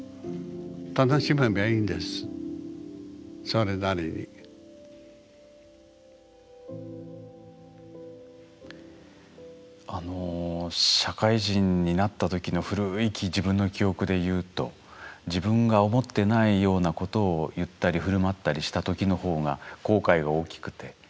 そのあの社会人になった時の古い自分の記憶でいうと自分が思ってないようなことを言ったり振る舞ったりした時の方が後悔が大きくて。